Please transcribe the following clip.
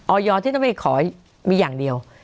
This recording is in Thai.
ออยอร์ที่ต้องไปขอมีอย่างเดียว